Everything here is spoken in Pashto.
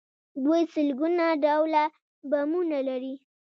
دوی سلګونه ډوله بمونه لري.